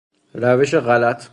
روش غلط